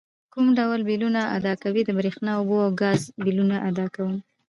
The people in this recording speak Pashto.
کوم ډول بیلونه ادا کوئ؟ د بریښنا، اوبو او ګازو بیلونه ادا کوم